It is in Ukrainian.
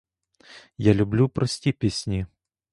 Я люблю прості пісні.